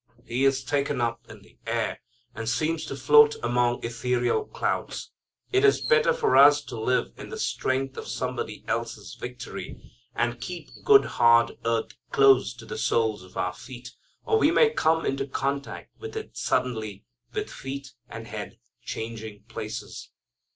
He is taken up in the air, and seems to float among ethereal clouds. It is better for us to live in the strength of Somebody else's victory, and keep good hard earth close to the soles of our feet, or we may come into contact with it suddenly with feet and head changing places.